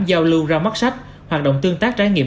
giao lưu ra mắt sách hoạt động tương tác trải nghiệm